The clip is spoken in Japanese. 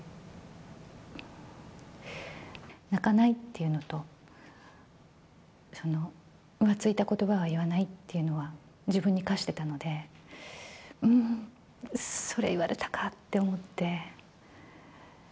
泣かないっていうのと、浮ついたことばは言わないっていうのは自分に課してたので、それ言われたかって思って。